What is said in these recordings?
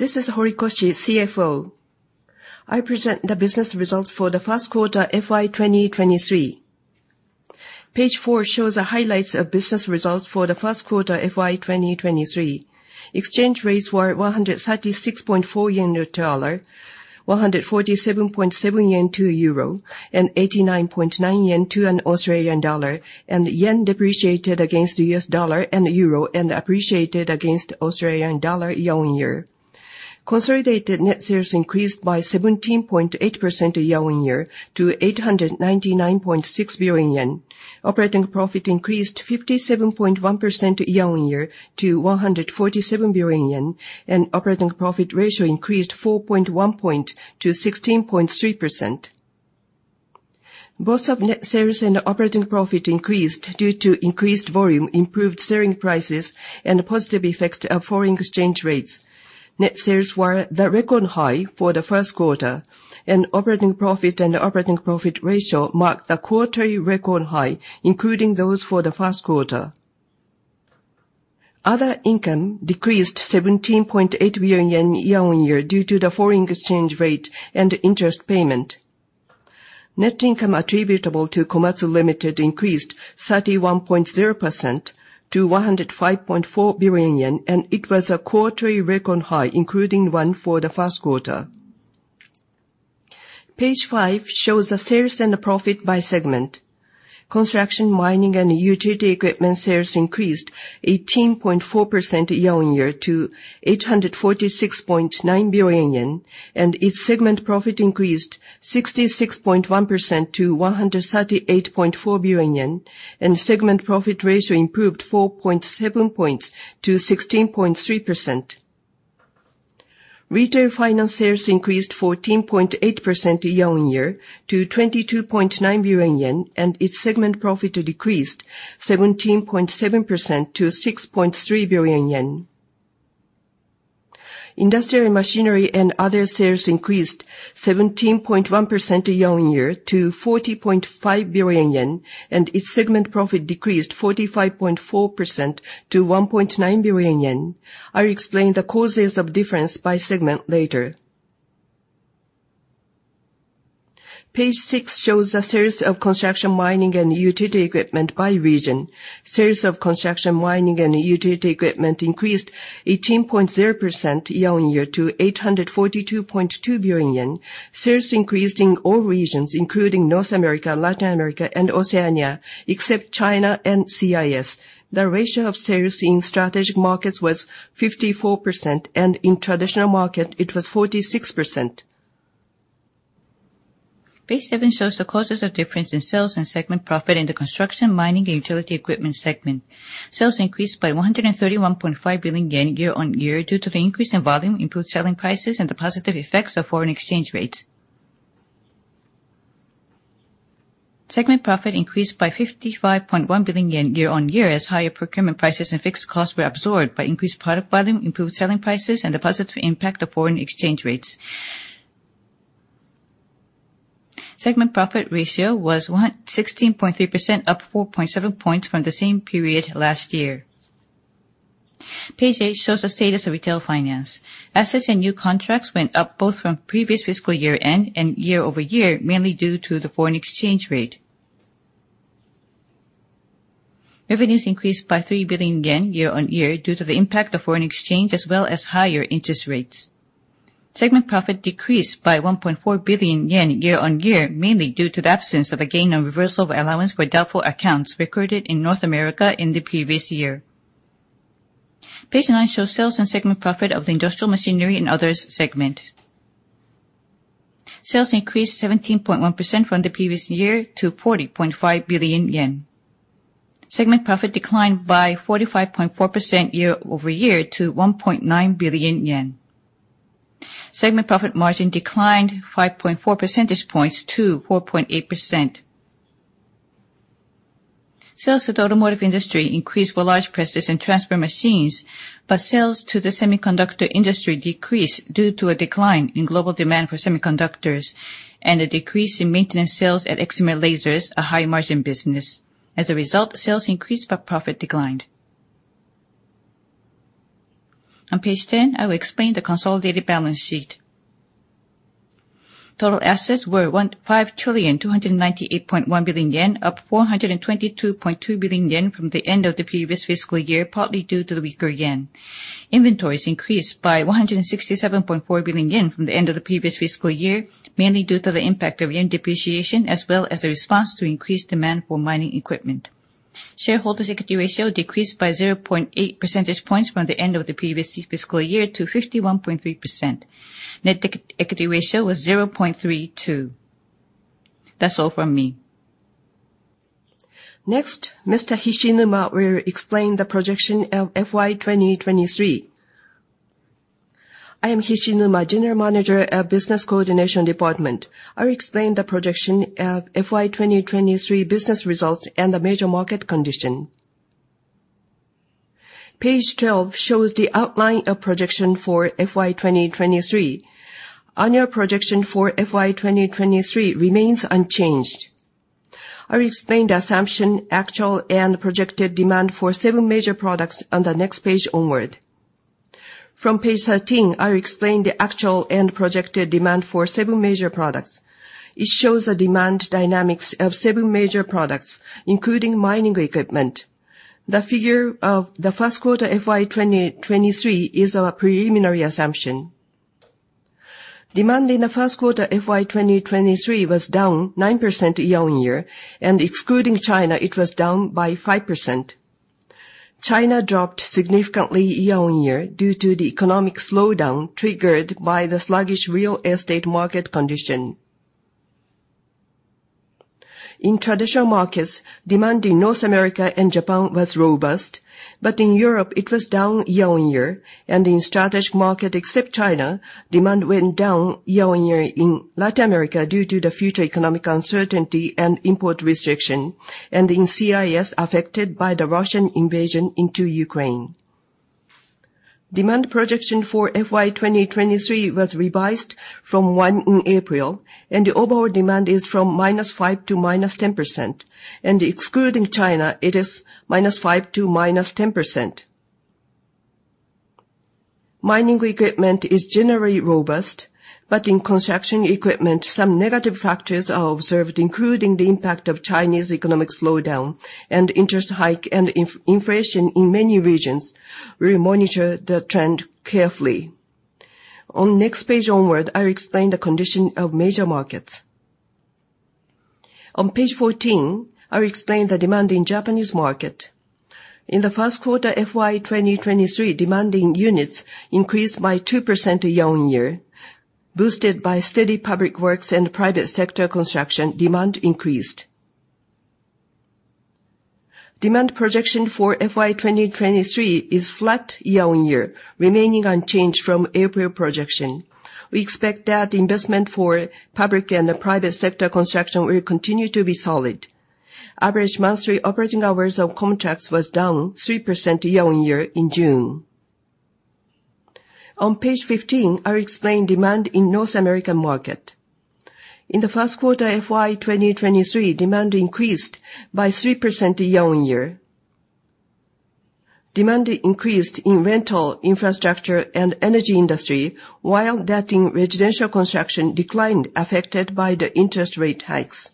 This is Horikoshi, CFO. I present the business results for the first quarter, FY 2023. Page four shows the highlights of business results for the first quarter, FY 2023. Exchange rates were 136.4 yen to dollar, 147.7 yen to euro, and 89.9 yen to an Australian dollar. The yen depreciated against the U.S. dollar and the euro, and appreciated against Australian dollar year-on-year. Consolidated net sales increased by 17.8% year-on-year to 899.6 billion yen. Operating profit increased 57.1% year-on-year to 147 billion yen. Operating profit ratio increased 4.1 points to 16.3%. Both of net sales and operating profit increased due to increased volume, improved selling prices, and positive effects to our foreign exchange rates. Net sales were the record high for the first quarter. Operating profit and operating profit ratio marked the quarterly record high, including those for the first quarter. Other income decreased 17.8 billion yen year-on-year due to the foreign exchange rate and interest payment. Net income attributable to Komatsu Limited increased 31.0% to 105.4 billion yen. It was a quarterly record high, including one for the first quarter. Page five shows the sales and the profit by segment. Construction, mining, and utility equipment sales increased 18.4% year-on-year to 846.9 billion yen. Its segment profit increased 66.1% to 138.4 billion yen. Segment profit ratio improved 4.7 points to 16.3%. Retail finance sales increased 14.8% year-on-year to 22.9 billion yen, and its segment profit decreased 17.7% to 6.3 billion yen. Industrial machinery and other sales increased 17.1% year-on-year to 40.5 billion yen, and its segment profit decreased 45.4% to 1.9 billion yen. I'll explain the causes of difference by segment later. Page six shows the sales of construction, mining and utility equipment by region. Sales of construction, mining and utility equipment increased 18.0% year-on-year to 842.2 billion yen. Sales increased in all regions, including North America, Latin America and Oceania, except China and CIS. The ratio of sales in strategic markets was 54%, and in traditional market, it was 46%. Page seven shows the causes of difference in sales and segment profit in the construction, mining and utility equipment segment. Sales increased by 131.5 billion yen year-on-year due to the increase in volume, improved selling prices and the positive effects of foreign exchange rates. Segment profit increased by 55.1 billion yen year-on-year, as higher procurement prices and fixed costs were absorbed by increased product volume, improved selling prices and the positive impact of foreign exchange rates. Segment profit ratio was 16.3%, up 4.7 points from the same period last year. Page eight shows the status of retail finance. Assets and new contracts went up, both from previous fiscal year-end and year-over-year, mainly due to the foreign exchange rate. Revenues increased by 3 billion yen year-on-year due to the impact of foreign exchange, as well as higher interest rates. Segment profit decreased by 1.4 billion yen year-on-year, mainly due to the absence of a gain on reversal of allowance for doubtful accounts recorded in North America in the previous year. Page nine shows sales and segment profit of the industrial machinery and others segment. Sales increased 17.1% from the previous year to 40.5 billion yen. Segment profit declined by 45.4% year-over-year to 1.9 billion yen. Segment profit margin declined 5.4 percentage points to 4.8%. Sales to the automotive industry increased for large presses and transfer machines, but sales to the semiconductor industry decreased due to a decline in global demand for semiconductors and a decrease in maintenance sales at excimer lasers, a high-margin business. As a result, sales increased, but profit declined. On page 10, I will explain the consolidated balance sheet. Total assets were JPY 5,298.100,000,000, up 422.2 billion yen from the end of the previous fiscal year, partly due to the weaker yen. Inventories increased by 167.4 billion yen from the end of the previous fiscal year, mainly due to the impact of yen depreciation, as well as the response to increased demand for mining equipment. Shareholders' equity ratio decreased by 0.8 percentage points from the end of the previous fiscal year to 51.3%. Net equity ratio was 0.32%. That's all from me. Next, Mr. Hishinuma will explain the projection of FY 2023. I am Hishinuma, General Manager of Business Coordination Department. I will explain the projection of FY 2023 business results and the major market condition. Page 12 shows the outline of projection for FY 2023. Annual projection for FY 2023 remains unchanged. I will explain the assumption, actual, and projected demand for seven major products on the next page onward. From Page 13, I will explain the actual and projected demand for seven major products. It shows the demand dynamics of seven major products, including mining equipment. The figure of the first quarter FY 2023 is our preliminary assumption. Demand in the first quarter FY 2023 was down 9% year-on-year, and excluding China, it was down by 5%. China dropped significantly year-on-year due to the economic slowdown triggered by the sluggish real estate market condition. In traditional markets, demand in North America and Japan was robust, but in Europe it was down year-on-year, and in strategic market except China, demand went down year-on-year in Latin America due to the future economic uncertainty and import restriction, and in CIS, affected by the Russian invasion into Ukraine. Demand projection for FY 2023 was revised from one in April, and the overall demand is from -5% to -10%, and excluding China, it is -5% to -10%. Mining equipment is generally robust, but in construction equipment, some negative factors are observed, including the impact of Chinese economic slowdown and interest hike and inflation in many regions. We monitor the trend carefully. On next page onward, I will explain the condition of major markets. On page 14, I will explain the demand in Japanese market. In the first quarter, FY 2023, demanding units increased by 2% year-on-year, boosted by steady public works and private sector construction demand increased. Demand projection for FY 2023 is flat year-on-year, remaining unchanged from April projection. We expect that investment for public and the private sector construction will continue to be solid. Average monthly operating hours of contracts was down 3% year-on-year in June. On page 15, I will explain demand in North American market. In the first quarter, FY 2023, demand increased by 3% year-on-year. Demand increased in rental, infrastructure, and energy industry, while that in residential construction declined, affected by the interest rate hikes.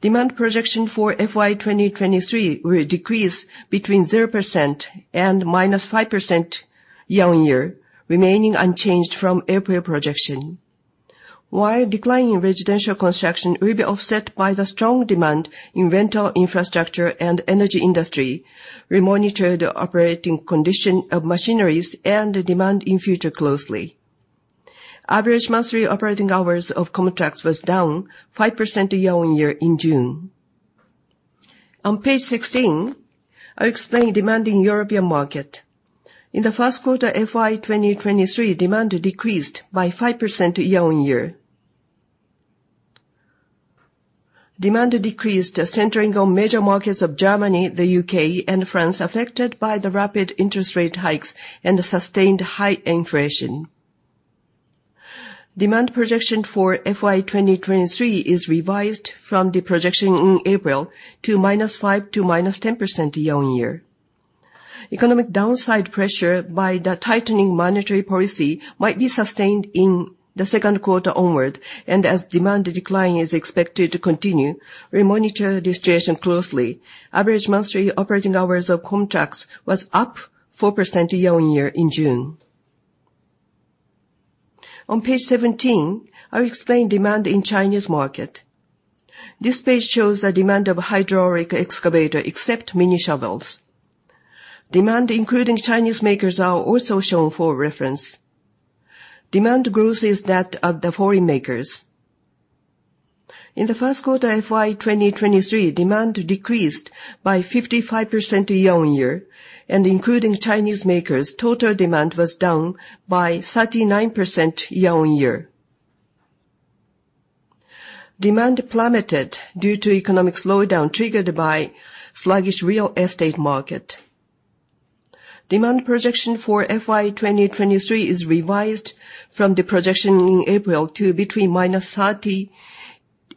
Demand projection for FY 2023 will decrease between 0% and -5% year-on-year, remaining unchanged from April projection. While decline in residential construction will be offset by the strong demand in rental, infrastructure, and energy industry, we monitor the operating condition of machineries and the demand in future closely. Average monthly operating hours of contracts was down 5% year-on-year in June. On page 16, I will explain demand in European market. In the first quarter, FY 2023, demand decreased by 5% year-on-year. Demand decreased, centering on major markets of Germany, the U.K., and France, affected by the rapid interest rate hikes and the sustained high inflation. Demand projection for FY 2023 is revised from the projection in April to -5% to -10% year-on-year. Economic downside pressure by the tightening monetary policy might be sustained in the second quarter onward, and as demand decline is expected to continue, we monitor the situation closely. Average monthly operating hours of contracts was up 4% year-on-year in June. On page 17, I will explain demand in Chinese market. This page shows the demand of hydraulic excavator, except mini shovels. Demand, including Chinese makers, are also shown for reference. Demand growth is that of the foreign makers. In the first quarter, FY 2023, demand decreased by 55% year-on-year, and including Chinese makers, total demand was down by 39% year-on-year. Demand plummeted due to economic slowdown, triggered by sluggish real estate market. Demand projection for FY 2023 is revised from the projection in April to between -30%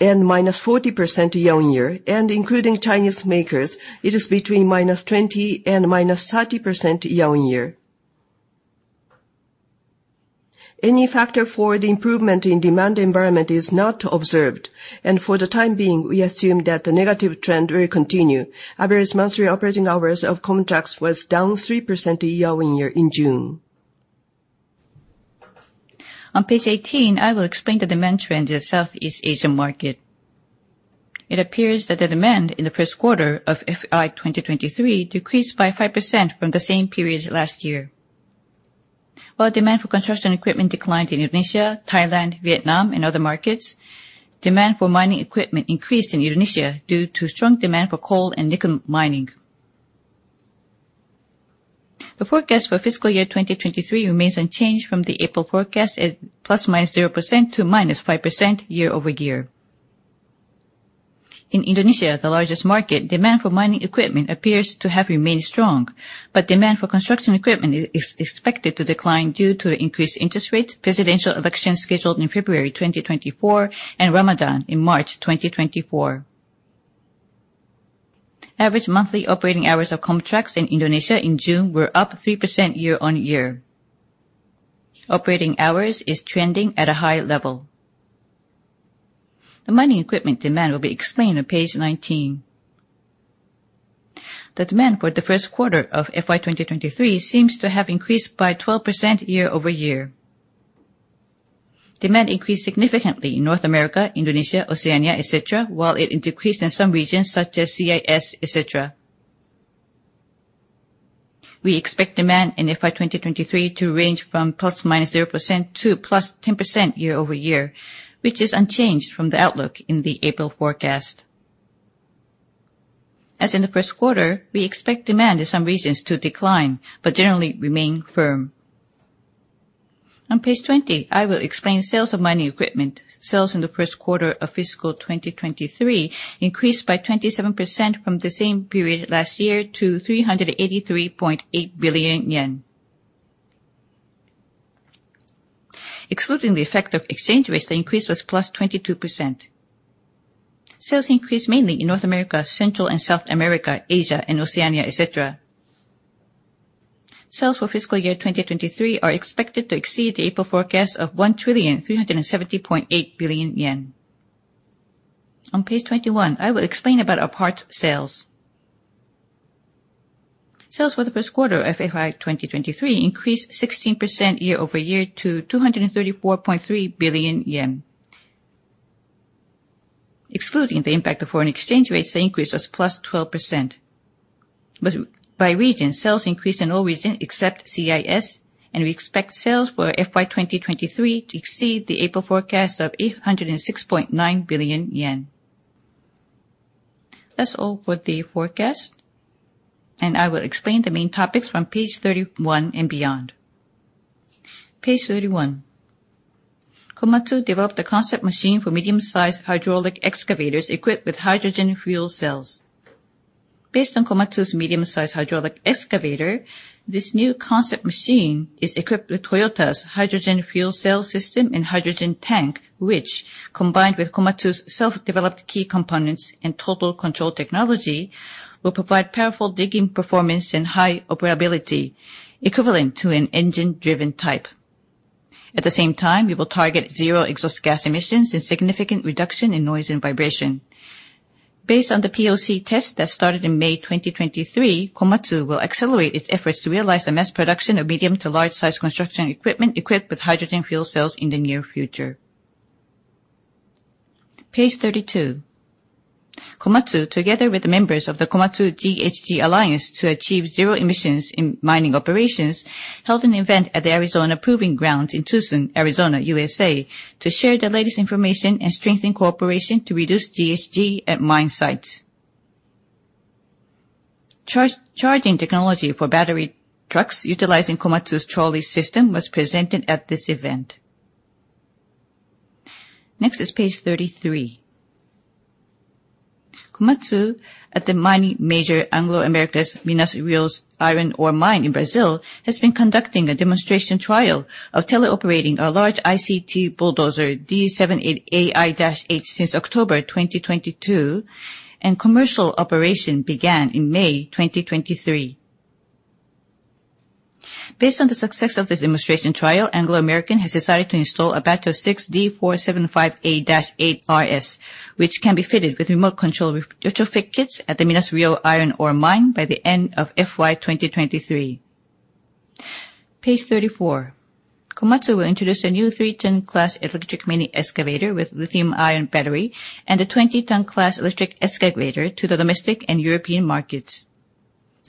and -40% year-on-year, and including Chinese makers, it is between -20% and -30% year-on-year. Any factor for the improvement in demand environment is not observed, and for the time being, we assume that the negative trend will continue. Average monthly operating hours of contracts was down 3% year-on-year in June. On page 18, I will explain the demand trend in the Southeast Asian market. It appears that the demand in the first quarter of FY 2023 decreased by 5% from the same period last year. While demand for construction equipment declined in Indonesia, Thailand, Vietnam, and other markets, demand for mining equipment increased in Indonesia due to strong demand for coal and nickel mining. The forecast for fiscal year 2023 remains unchanged from the April forecast at ±0% to -5% year-over-year. In Indonesia, the largest market, demand for mining equipment appears to have remained strong, but demand for construction equipment is expected to decline due to increased interest rates, presidential elections scheduled in February 2024, and Ramadan in March 2024. Average monthly operating hours of Komtrax in Indonesia in June were up 3% year-on-year. Operating hours is trending at a high level. The mining equipment demand will be explained on page 19. The demand for the first quarter of FY 2023 seems to have increased by 12% year-over-year. Demand increased significantly in North America, Indonesia, Oceania, et cetera, while it decreased in some regions, such as CIS, et cetera. We expect demand in FY 2023 to range from ±0% to +10% year-over-year, which is unchanged from the outlook in the April forecast. As in the first quarter, we expect demand in some regions to decline, but generally remain firm. On page 20, I will explain sales of mining equipment. Sales in the first quarter of fiscal 2023 increased by 27% from the same period last year to 383.8 billion yen. Excluding the effect of exchange rates, the increase was +22%. Sales increased mainly in North America, Central and South America, Asia, and Oceania, et cetera. Sales for fiscal year 2023 are expected to exceed the April forecast of 1,370,800,000,000 yen. On page 21, I will explain about our parts sales. Sales for the first quarter of FY 2023 increased 16% year-over-year to 234.3 billion yen. Excluding the impact of foreign exchange rates, the increase was +12%. By region, sales increased in all regions except CIS. We expect sales for FY 2023 to exceed the April forecast of 806.9 billion yen. That's all for the forecast. I will explain the main topics from page 31 and beyond. Page 31. Komatsu developed a concept machine for medium-sized hydraulic excavators equipped with hydrogen fuel cells. Based on Komatsu's medium-sized hydraulic excavator, this new concept machine is equipped with Toyota's hydrogen fuel cell system and hydrogen tank, which, combined with Komatsu's self-developed key components and total control technology, will provide powerful digging performance and high operability, equivalent to an engine-driven type. At the same time, we will target zero exhaust gas emissions and significant reduction in noise and vibration. Based on the PoC test that started in May 2023, Komatsu will accelerate its efforts to realize the mass production of medium to large-size construction equipment equipped with hydrogen fuel cells in the near future. Page 32. Komatsu, together with the members of the Komatsu GHG Alliance to achieve zero emissions in mining operations, held an event at the Arizona Proving Grounds in Tucson, Arizona, USA, to share the latest information and strengthen cooperation to reduce GHG at mine sites. Charge- charging technology for battery trucks utilizing Komatsu's trolley system was presented at this event. Next is page 33. Komatsu, at the mining major Anglo American's Minas-Rio's iron ore mine in Brazil, has been conducting a demonstration trial of teleoperating a large ICT bulldozer, D78AI-8, since October 2022, and commercial operation began in May 2023. Based on the success of this demonstration trial, Anglo American has decided to install a batch of 6 D475A-8RS, which can be fitted with remote control retrofit kits at the Minas-Rio iron ore mine by the end of FY 2023. Page 34. Komatsu will introduce a new 3-ton class electric mini excavator with lithium-ion battery and a 20-ton class electric excavator to the domestic and European markets.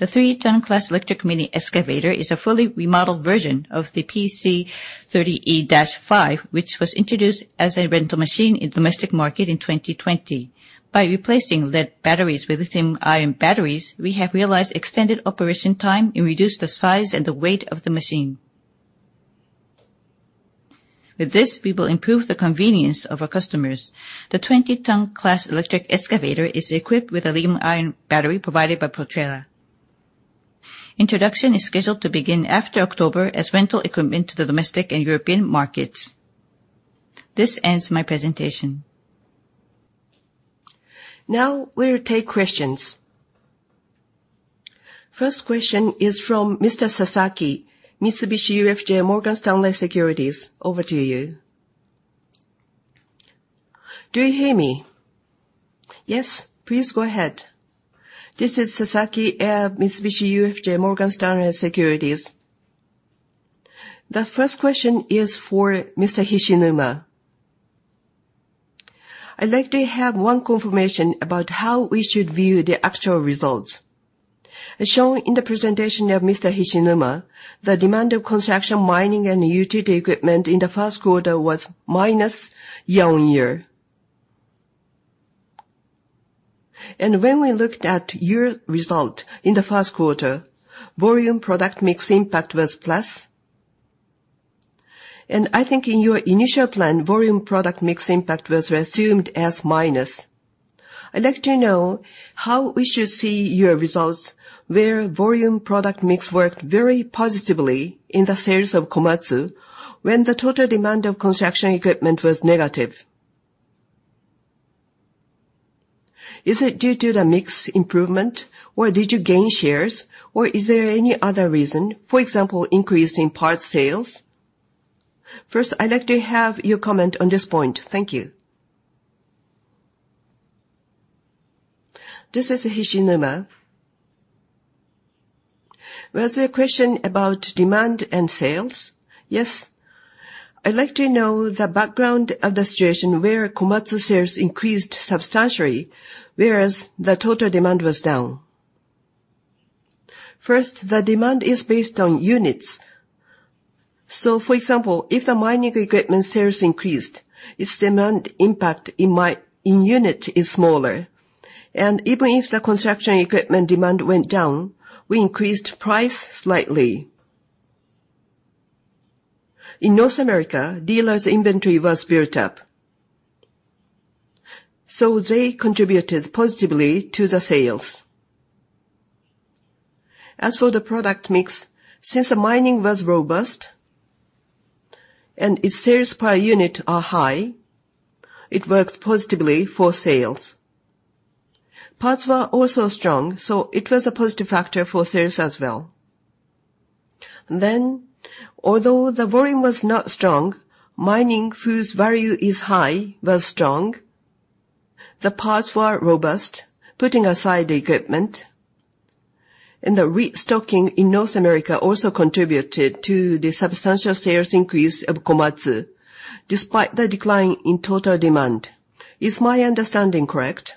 The 3-ton class electric mini excavator is a fully remodeled version of the PC30E-5, which was introduced as a rental machine in domestic market in 2020. By replacing lead batteries with lithium-ion batteries, we have realized extended operation time and reduced the size and the weight of the machine. With this, we will improve the convenience of our customers. The 20-ton class electric excavator is equipped with a lithium-ion battery provided by Proterra. Introduction is scheduled to begin after October as rental equipment to the domestic and European markets. This ends my presentation. Now we'll take questions. First question is from Mr. Sasaki, Mitsubishi UFJ Morgan Stanley Securities. Over to you. Do you hear me? Yes, please go ahead. This is Sasaki at Mitsubishi UFJ Morgan Stanley Securities. The first question is for Mr. Hishinuma. I'd like to have one confirmation about how we should view the actual results. As shown in the presentation of Mr. Hishinuma, the demand of construction, mining, and utility equipment in the first quarter was minus year-on-year. When we looked at your result in the first quarter, volume product mix impact was plus. I think in your initial plan, volume product mix impact was assumed as minus. I'd like to know how we should see your results, where volume product mix worked very positively in the sales of Komatsu, when the total demand of construction equipment was negative? Is it due to the mix improvement, or did you gain shares, or is there any other reason? For example, increase in parts sales. First, I'd like to have your comment on this point. Thank you. This is Hishinuma. Was your question about demand and sales? Yes. I'd like to know the background of the situation where Komatsu sales increased substantially, whereas the total demand was down. First, the demand is based on units. For example, if the mining equipment sales increased, its demand impact in unit is smaller. Even if the construction equipment demand went down, we increased price slightly. In North America, dealers inventory was built up, so they contributed positively to the sales. As for the product mix, since the mining was robust and its sales per unit are high, it worked positively for sales. Parts were also strong, it was a positive factor for sales as well. Although the volume was not strong, mining, whose value is high, was strong. The parts were robust, putting aside the equipment, the restocking in North America also contributed to the substantial sales increase of Komatsu, despite the decline in total demand. Is my understanding correct?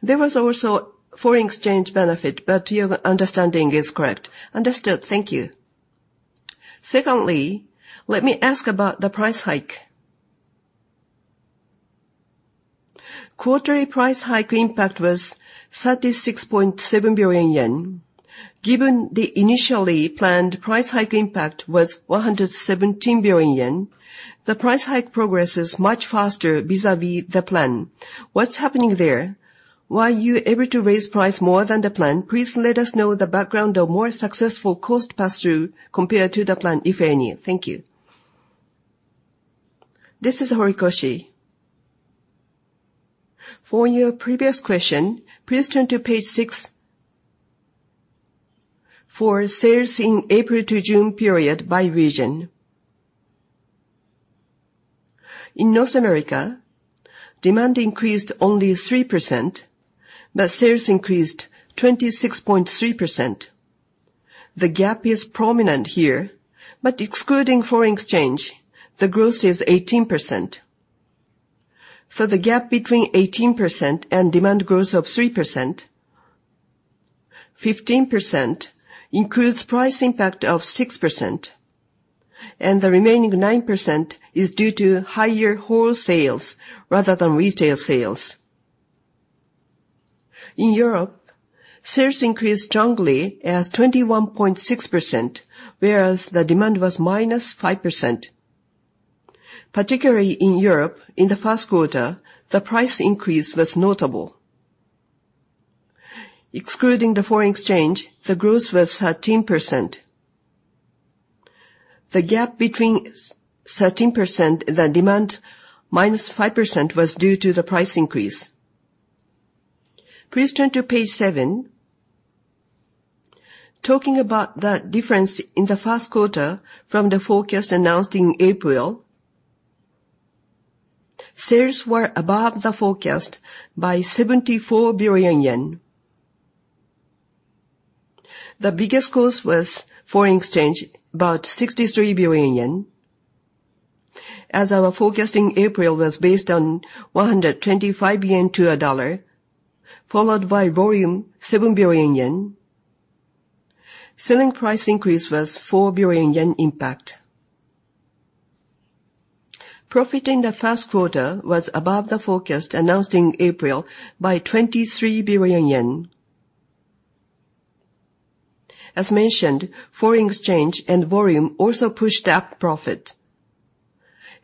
There was also foreign exchange benefit, your understanding is correct. Understood. Thank you. Secondly, let me ask about the price hike. Quarterly price hike impact was 36.7 billion yen. Given the initially planned price hike impact was 117 billion yen, the price hike progresses much faster vis-à-vis the plan. What's happening there? Were you able to raise price more than the plan? Please let us know the background of more successful cost pass-through compared to the plan, if any. Thank you. This is Horikoshi. For your previous question, please turn to page six for sales in April to June period by region. In North America, demand increased only 3%, but sales increased 26.3%. The gap is prominent here, but excluding foreign exchange, the growth is 18%. For the gap between 18% and demand growth of 3%, 15% includes price impact of 6%, and the remaining 9% is due to higher wholesale rather than retail sales. In Europe, sales increased strongly as 21.6%, whereas the demand was -5%. Particularly in Europe, in the first quarter, the price increase was notable. Excluding the foreign exchange, the growth was 13%. The gap between 13%, the demand -5%, was due to the price increase. Please turn to page seven. Talking about the difference in the first quarter from the forecast announced in April, sales were above the forecast by 74 billion yen. The biggest cause was foreign exchange, about 63 billion yen, as our forecast in April was based on 125 yen to a dollar, followed by volume, 7 billion yen. Selling price increase was 4 billion yen impact. Profit in the first quarter was above the forecast announced in April by 23 billion yen. As mentioned, foreign exchange and volume also pushed up profit,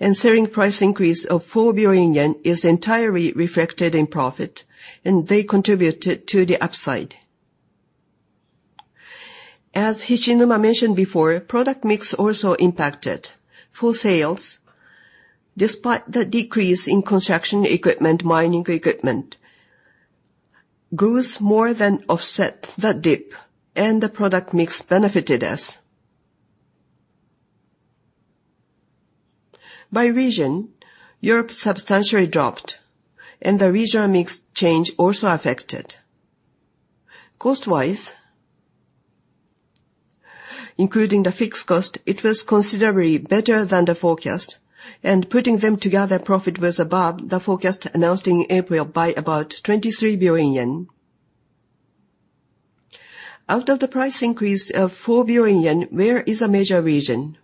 and selling price increase of 4 billion yen is entirely reflected in profit, and they contributed to the upside. As Hishinuma mentioned before, product mix also impacted full sales, despite the decrease in construction equipment, mining equipment, grows more than offsets the dip, and the product mix benefited us. By region, Europe substantially dropped, and the regional mix change also affected. Cost-wise, including the fixed cost, it was considerably better than the forecast, putting them together, profit was above the forecast announced in April by about 23 billion yen. Out of the price increase of 4 billion yen, where is a major region?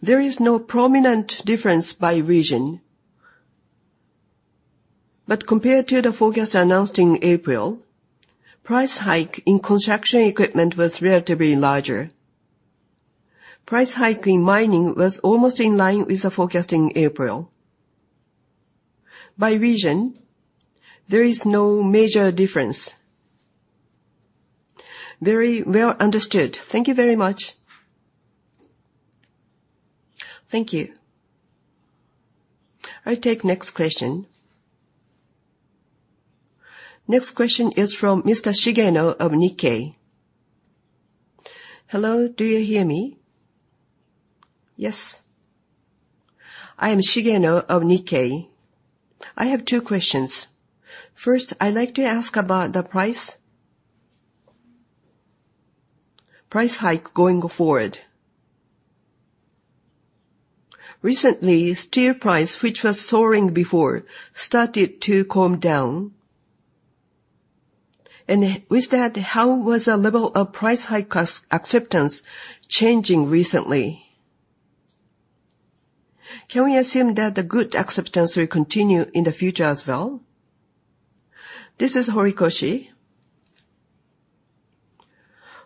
There is no prominent difference by region, but compared to the forecast announced in April, price hike in construction equipment was relatively larger. Price hike in mining was almost in line with the forecast in April. By region, there is no major difference. Very well understood. Thank you very much. Thank you. I take next question. Next question is from Mr. Shigeno of Nikkei. Hello, do you hear me? Yes. I am Shigeno of Nikkei. I have two questions. First, I'd like to ask about the price hike going forward. Recently, steel price, which was soaring before, started to calm down. With that, how was the level of price hike cost acceptance changing recently? Can we assume that the good acceptance will continue in the future as well? This is Horikoshi.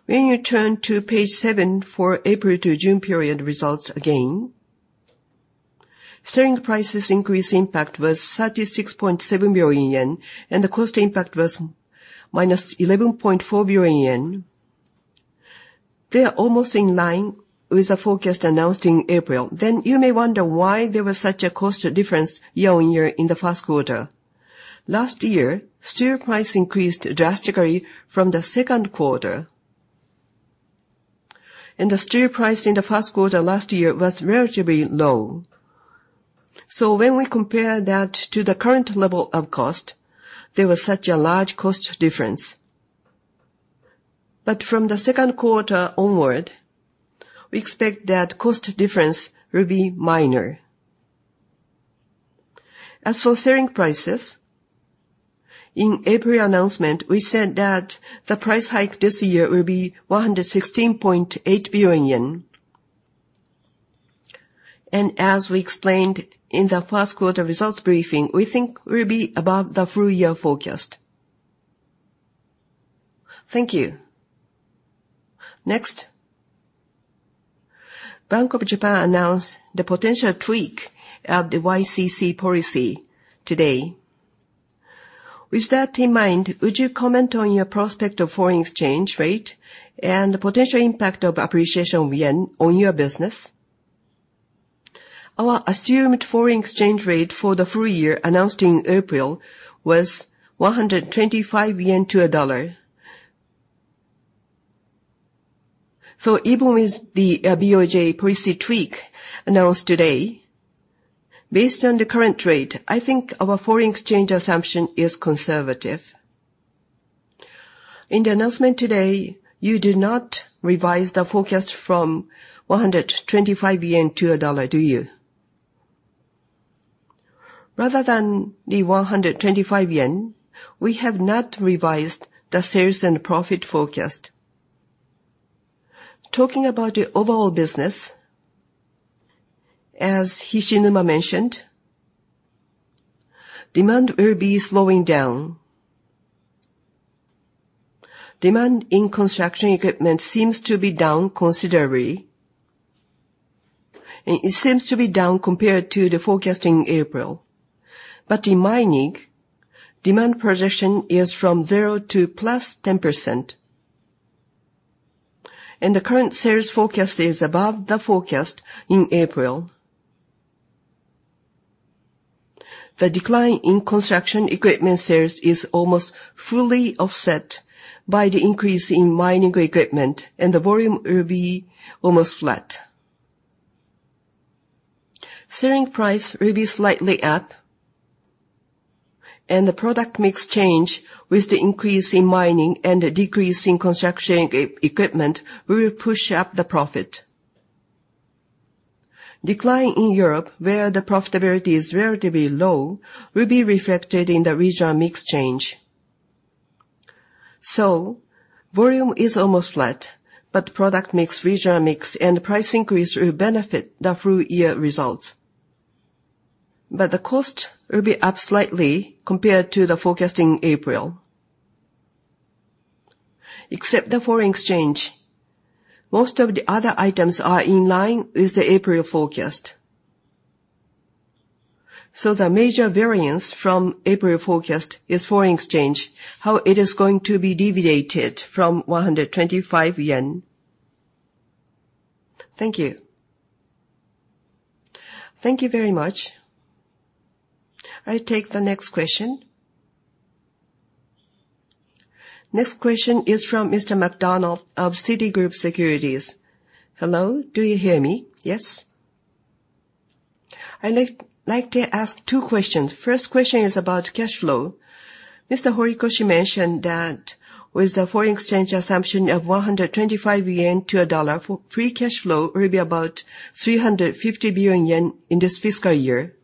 When you turn to page seven for April to June period results again, selling prices increase impact was 36.7 billion yen, and the cost impact was -11.4 billion yen. They are almost in line with the forecast announced in April. You may wonder why there was such a cost difference year-on-year in the first quarter. Last year, steel price increased drastically from the second quarter. The steel price in the first quarter last year was relatively low. When we compare that to the current level of cost, there was such a large cost difference. From the second quarter onward, we expect that cost difference will be minor. As for selling prices, in April announcement, we said that the price hike this year will be 116.8 billion yen. As we explained in the first quarter results briefing, we think we'll be above the full year forecast. Thank you. Next, Bank of Japan announced the potential tweak of the YCC policy today. With that in mind, would you comment on your prospect of foreign exchange rate and the potential impact of appreciation of yen on your business? Our assumed foreign exchange rate for the full year, announced in April, was 125 yen to a dollar. Even with the BOJ policy tweak announced today, based on the current rate, I think our foreign exchange assumption is conservative. In the announcement today, you do not revise the forecast from 125 yen to a dollar, do you? Rather than the 125 yen, we have not revised the sales and profit forecast. Talking about the overall business, as Hishinuma mentioned, demand will be slowing down. Demand in construction equipment seems to be down considerably, and it seems to be down compared to the forecast in April. In mining, demand projection is from 0% to +10%. The current sales forecast is above the forecast in April. The decline in construction equipment sales is almost fully offset by the increase in mining equipment, and the volume will be almost flat. Selling price will be slightly up, and the product mix change with the increase in mining and a decrease in construction equipment will push up the profit. Decline in Europe, where the profitability is relatively low, will be reflected in the regional mix change. Volume is almost flat, product mix, regional mix, and price increase will benefit the full year results. The cost will be up slightly compared to the forecast in April. Except the foreign exchange, most of the other items are in line with the April forecast. The major variance from April forecast is foreign exchange, how it is going to be deviated from 125 yen. Thank you. Thank you very much. I take the next question. Next question is from Mr. MacDonald of Citigroup Securities. Hello, do you hear me? Yes. I'd like to ask two questions. First question is about cash flow. Mr. Horikoshi mentioned that with the foreign exchange assumption of 125 yen to a dollar, free cash flow will be about 350 billion yen in this fiscal year.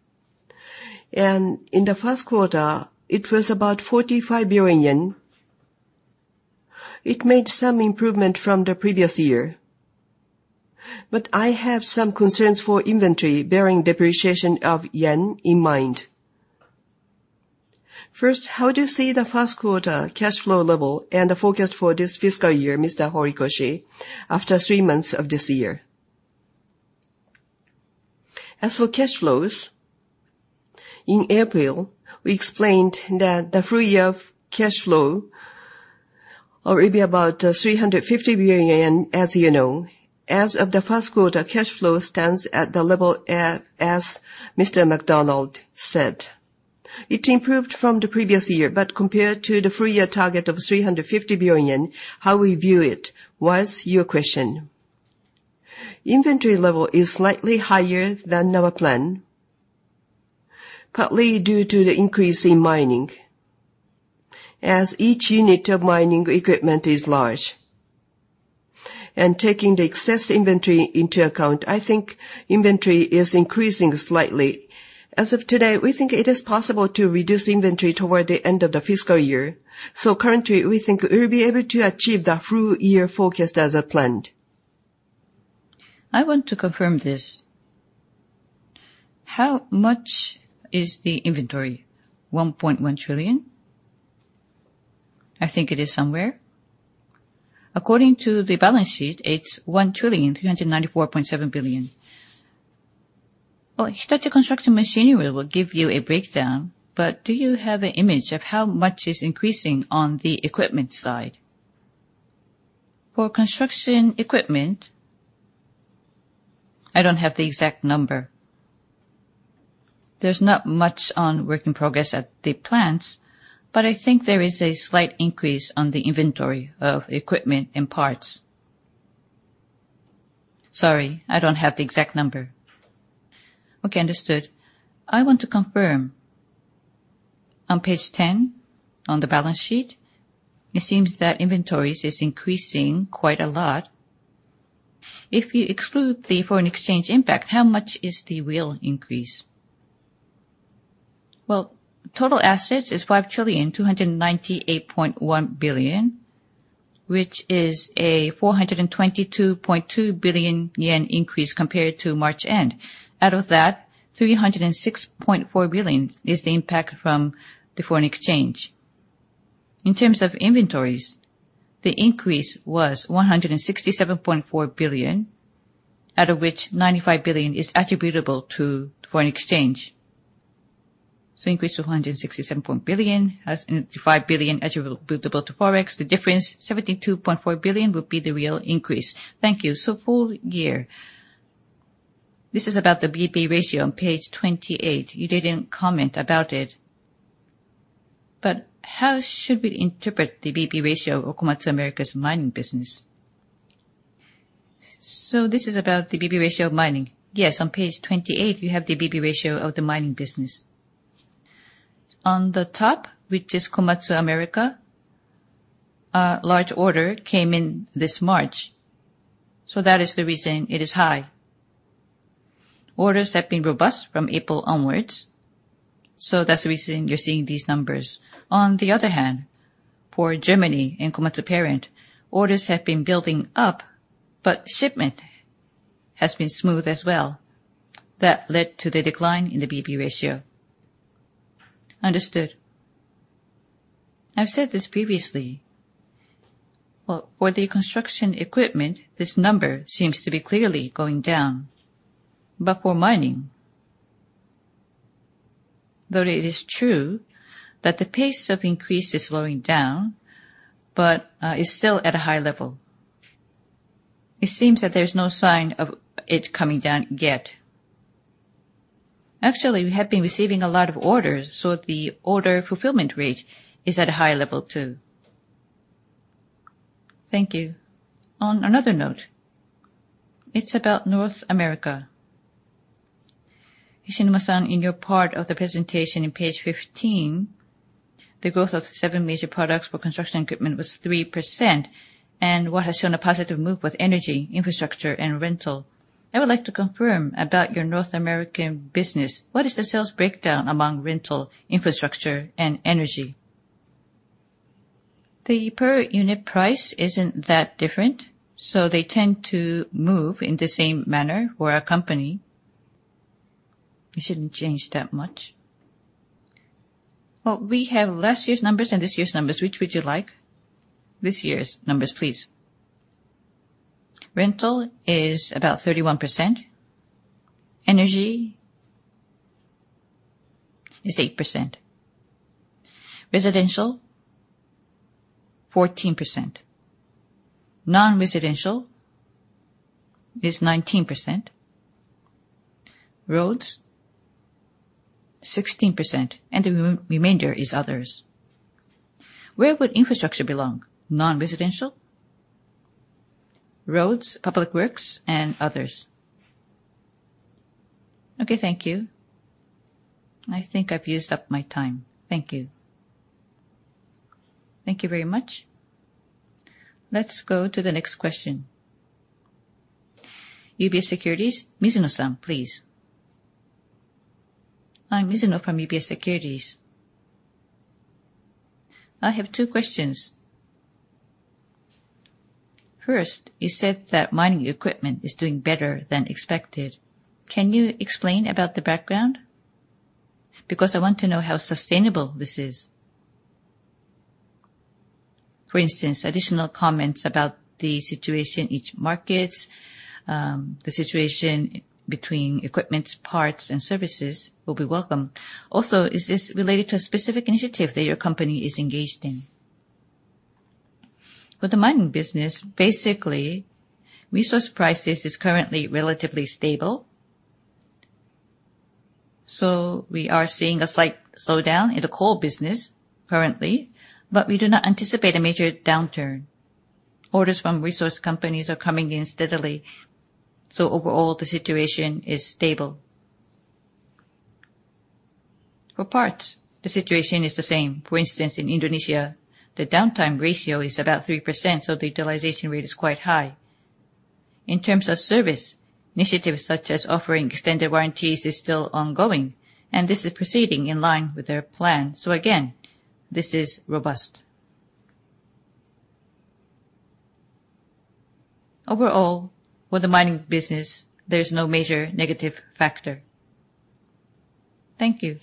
In the first quarter, it was about 45 billion yen. It made some improvement from the previous year, but I have some concerns for inventory, bearing depreciation of yen in mind. First, how do you see the first quarter cash flow level and the forecast for this fiscal year, Mr. Horikoshi, after three months of this year? As for cash flows, in April, we explained that the full year of cash flow will be about 350 billion yen, as you know. As of the first quarter, cash flow stands at the level at, as Mr. MacDonald said. It improved from the previous year. Compared to the full year target of 350 billion, how we view it was your question. Inventory level is slightly higher than our plan, partly due to the increase in mining, as each unit of mining equipment is large. Taking the excess inventory into account, I think inventory is increasing slightly. As of today, we think it is possible to reduce inventory toward the end of the fiscal year. Currently, we think we'll be able to achieve the full year forecast as planned. I want to confirm this. How much is the inventory? 1.1 trillion? I think it is somewhere. According to the balance sheet, it's 1,394,700,000,000. Hitachi Construction Machinery will give you a breakdown, but do you have an image of how much is increasing on the equipment side? For construction equipment, I don't have the exact number. There's not much on work in progress at the plants, but I think there is a slight increase on the inventory of equipment and parts. Sorry, I don't have the exact number. Okay, understood. I want to confirm. On page 10, on the balance sheet, it seems that inventories is increasing quite a lot. If you exclude the foreign exchange impact, how much is the real increase? Well, total assets is 5,298,100,000,000, which is a 422.2 billion yen increase compared to March end. Out of that, 306.4 billion is the impact from the foreign exchange. In terms of inventories, the increase was 167.4 billion, out of which 95 billion is attributable to foreign exchange. Increase to 167 billion, as in 95 billion, attributable to Forex. The difference, 72.4 billion, would be the real increase. Thank you. Full year, this is about the BB ratio on page 28. You didn't comment about it, how should we interpret the BB ratio of Komatsu America's mining business? This is about the BB ratio of mining? Yes. On page 28, you have the BB ratio of the mining business. On the top, which is Komatsu America, a large order came in this March. That is the reason it is high. Orders have been robust from April onwards. That's the reason you're seeing these numbers. On the other hand, for Germany and Komatsu parent, orders have been building up, but shipment has been smooth as well. That led to the decline in the BB ratio. Understood. I've said this previously, well, for the construction equipment, this number seems to be clearly going down. For mining, though it is true that the pace of increase is slowing down, but it's still at a high level. It seems that there's no sign of it coming down yet. Actually, we have been receiving a lot of orders, so the order fulfillment rate is at a high level, too. Thank you. On another note, it's about North America. Hishinuma-san, in your part of the presentation, in page 15, the growth of the seven major products for construction equipment was 3%, and what has shown a positive move with energy, infrastructure, and rental. I would like to confirm about your North American business, what is the sales breakdown among rental, infrastructure, and energy? The per unit price isn't that different, so they tend to move in the same manner for our company. It shouldn't change that much. Well, we have last year's numbers and this year's numbers. Which would you like? This year's numbers, please. Rental is about 31%. Energy is 8%. Residential, 14%. Non-residential is 19%. Roads, 16%, the re- remainder is others. Where would infrastructure belong? Non-residential. Roads, public works, and others. Okay, thank you. I think I've used up my time. Thank you. Thank you very much. Let's go to the next question. UBS Securities, Mizuno-San, please. I'm Mizuno from UBS Securities. I have two questions. First, you said that mining equipment is doing better than expected. Can you explain about the background? I want to know how sustainable this is. For instance, additional comments about the situation in each markets, the situation between equipments, parts, and services will be welcome. Is this related to a specific initiative that your company is engaged in? For the mining business, basically, resource prices is currently relatively stable. We are seeing a slight slowdown in the coal business currently, but we do not anticipate a major downturn. Orders from resource companies are coming in steadily, so overall, the situation is stable. For parts, the situation is the same. For instance, in Indonesia, the downtime ratio is about 3%, so the utilization rate is quite high. In terms of service, initiatives such as offering extended warranties is still ongoing, and this is proceeding in line with our plan. Again, this is robust. Overall, for the mining business, there's no major negative factor. Thank you.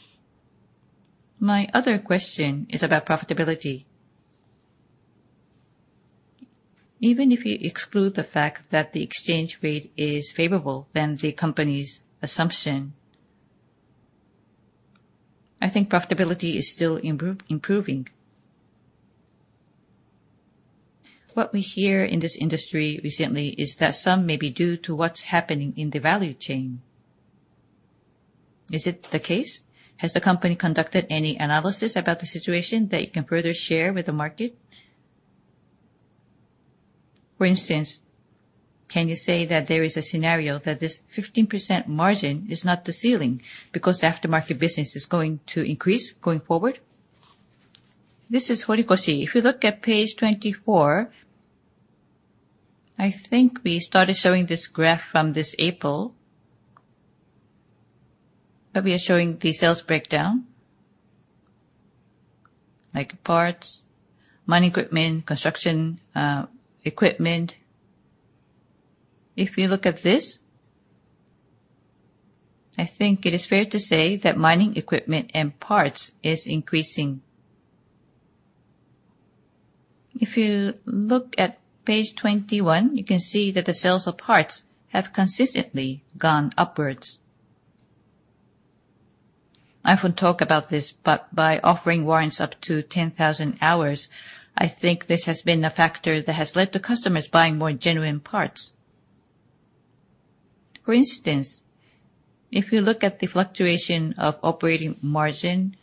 My other question is about profitability. Even if you exclude the fact that the exchange rate is favorable than the company's assumption, I think profitability is still improving. What we hear in this industry recently is that some may be due to what's happening in the value chain. Is it the case? Has the company conducted any analysis about the situation that you can further share with the market? For instance, can you say that there is a scenario that this 15% margin is not the ceiling because the aftermarket business is going to increase going forward? This is Horikoshi. If you look at page 24, I think we started showing this graph from this April, but we are showing the sales breakdown, like parts, mining equipment, construction equipment. If you look at this, I think it is fair to say that mining equipment and parts is increasing. If you look at page 21, you can see that the sales of parts have consistently gone upwards. I often talk about this, but by offering warrants up to 10,000 hours, I think this has been a factor that has led to customers buying more genuine parts. For instance, if you look at the fluctuation of operating margin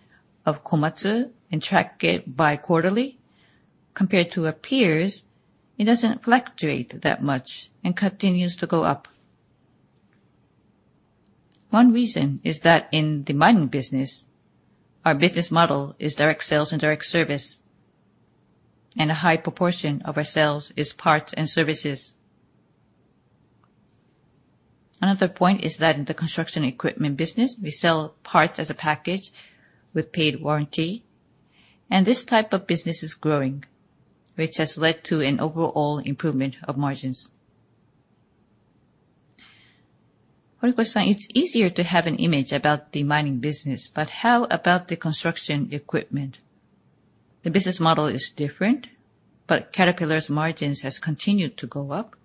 of Komatsu and track it bi-quarterly, compared to our peers, it doesn't fluctuate that much and continues to go up. One reason is that in the mining business, our business model is direct sales and direct service, and a high proportion of our sales is parts and services. Another point is that in the construction equipment business, we sell parts as a package with paid warranty, and this type of business is growing, which has led to an overall improvement of margins. Horikoshi, it's easier to have an image about the mining business, but how about the construction equipment? The business model is different, but Caterpillar's margins has continued to go up,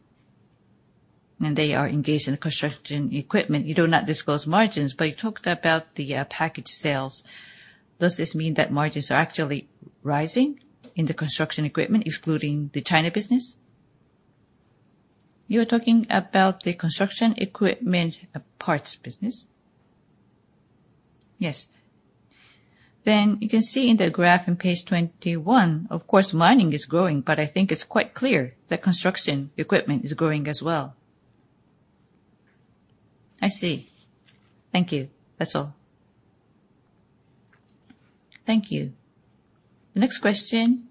and they are engaged in the construction equipment. You do not disclose margins, but you talked about the package sales. Does this mean that margins are actually rising in the construction equipment, excluding the China business? You're talking about the construction equipment parts business? Yes. You can see in the graph on page 21, of course, mining is growing, but I think it's quite clear that construction equipment is growing as well. I see. Thank you. That's all. Thank you. The next question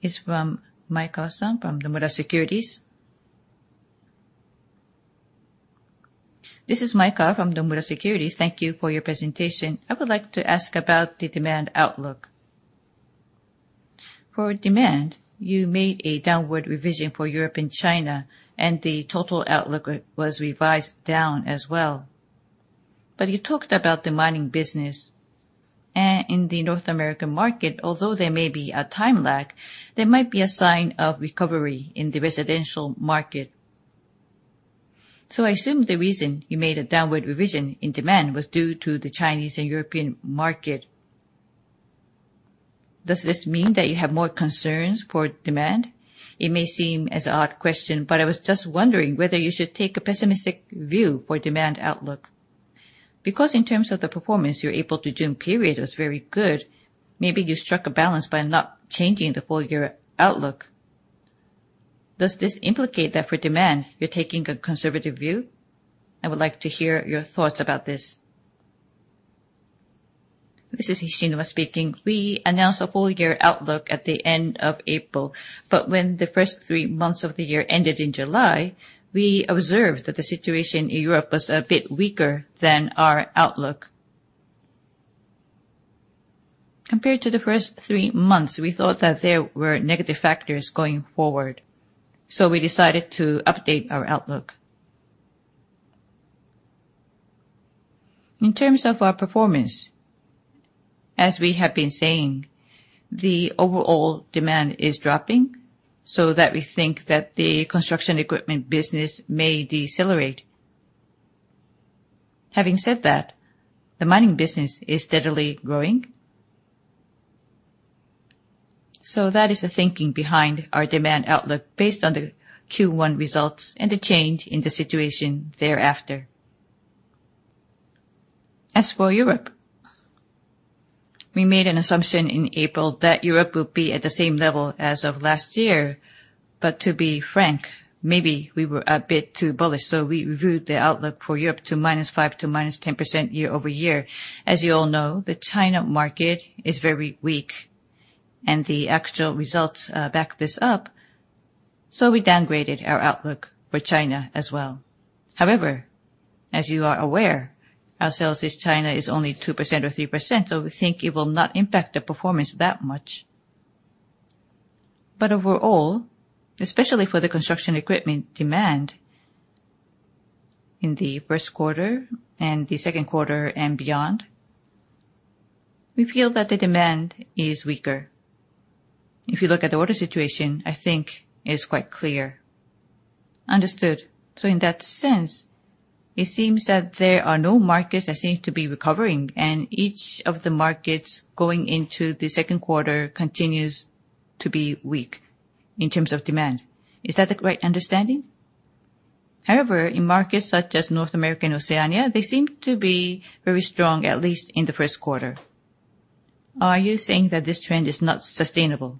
is from Maekawa-san, from Nomura Securities. This is Maekawa from Nomura Securities. Thank you for your presentation. I would like to ask about the demand outlook. For demand, you made a downward revision for Europe and China, and the total outlook was revised down as well. You talked about the mining business, and in the North American market, although there may be a time lag, there might be a sign of recovery in the residential market. I assume the reason you made a downward revision in demand was due to the Chinese and European market. Does this mean that you have more concerns for demand? It may seem as an odd question, but I was just wondering whether you should take a pessimistic view for demand outlook. In terms of the performance, your April to June period was very good, maybe you struck a balance by not changing the full year outlook. Does this implicate that for demand, you're taking a conservative view? I would like to hear your thoughts about this. This is Hishinuma speaking. We announced a full year outlook at the end of April, but when the first three months of the year ended in July, we observed that the situation in Europe was a bit weaker than our outlook. Compared to the first three months, we thought that there were negative factors going forward, so we decided to update our outlook. In terms of our performance, as we have been saying, the overall demand is dropping, so that we think that the construction equipment business may decelerate. Having said that, the mining business is steadily growing. That is the thinking behind our demand outlook based on the Q1 results and the change in the situation thereafter. As for Europe, we made an assumption in April that Europe would be at the same level as of last year. To be frank, maybe we were a bit too bullish. We reviewed the outlook for Europe to -5% to -10% year-over-year. As you all know, the China market is very weak, and the actual results back this up. We downgraded our outlook for China as well. However, as you are aware, our sales in China is only 2% or 3%. We think it will not impact the performance that much. Overall, especially for the construction equipment demand in the first quarter and the second quarter and beyond, we feel that the demand is weaker. If you look at the order situation, I think it's quite clear. Understood. In that sense, it seems that there are no markets that seem to be recovering, and each of the markets going into the second quarter continues to be weak in terms of demand. Is that the correct understanding? In markets such as North America and Oceania, they seem to be very strong, at least in the first quarter. Are you saying that this trend is not sustainable?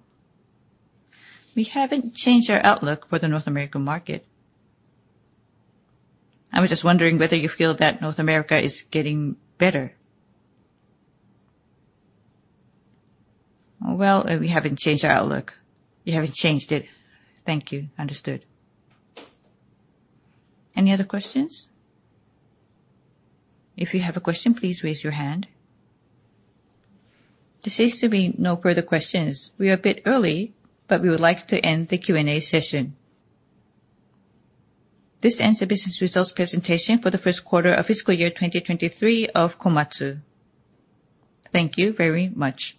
We haven't changed our outlook for the North American market. I was just wondering whether you feel that North America is getting better. Well, we haven't changed our outlook. You haven't changed it. Thank you. Understood. Any other questions? If you have a question, please raise your hand. This seems to be no further questions. We are a bit early, we would like to end the Q&A session. This ends the business results presentation for the first quarter of fiscal year 2023 of Komatsu. Thank you very much.